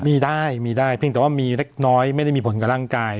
มีได้มีได้เพียงแต่ว่ามีเล็กน้อยไม่ได้มีผลกับร่างกาย